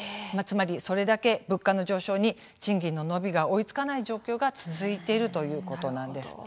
つまり、それだけ物価の上昇に賃金の伸びが追いつかない状況が続いているということなんです。